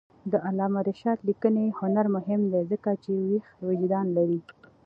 د علامه رشاد لیکنی هنر مهم دی ځکه چې ویښ وجدان لري.